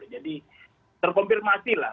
jadi terkonfirmasi lah